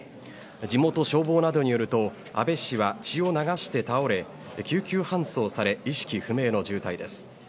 地元消防などによると、安倍氏は血を流して倒れ、救急搬送され意識不明の重体です。